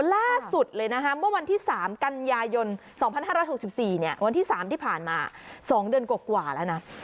ล่าสุดเลยนะคะเมื่อวันที่๓กันยายน๒๕๖๔วันที่๓ที่ผ่านมา๒เดือนกว่าแล้วนะ